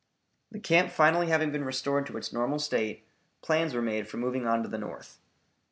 The camp finally having been restored to its normal state, plans were made for moving on to the north.